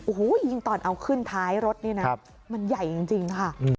โอ้โหยิ่งตอนเอาขึ้นท้ายรถนี่นะมันใหญ่จริงค่ะ